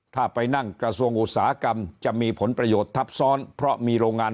ถ้าไปนั่งกระทรวงอุตสาหกรรมจะมีผลประโยชน์ทับซ้อนเพราะมีโรงงาน